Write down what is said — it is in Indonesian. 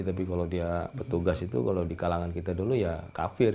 tapi kalau dia petugas itu kalau di kalangan kita dulu ya kafir